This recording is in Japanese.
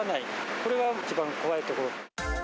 これが一番怖いところ。